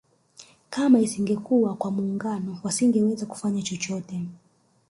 Kama isingekuwa kwa muungano wasingeweza kufanya chochote